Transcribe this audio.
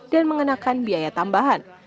dan mengenakan biaya tambahan